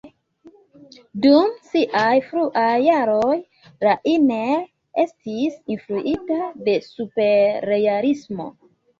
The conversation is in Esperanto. Dum siaj fruaj jaroj, Rainer estis influita de Superrealismo.